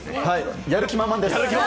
やる気満々です！